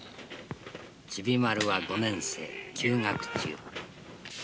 ちびまるは５年生、休学中。